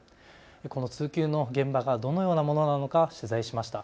この通級の現場がどのようなものなのか取材しました。